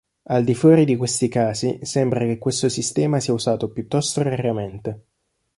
Al di fuori di questi casi sembra che questo sistema sia usato piuttosto raramente.